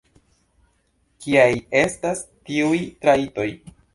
Kiaj estas tiuj trajtoj?